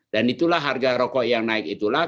dan itulah harga rokok yang naik itulah